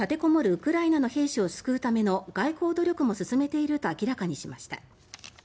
ウクライナの兵士を救うための外交努力も進めていると明らかにしました。